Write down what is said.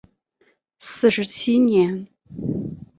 四十七年。